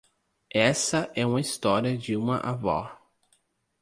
Essa é uma história de uma avó.